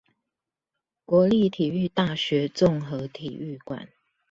國立體育大學綜合體育館